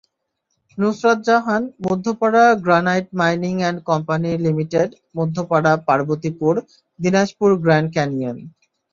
Nusrat Jahan, Madhyapara granite mining and company limited, Madhyapara, Parbatipur, দিনাজপুরগ্র্যান্ড ক্যানিয়নে।